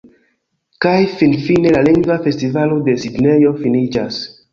Kaj finfine, la Lingva Festivalo de Sidnejo finiĝas.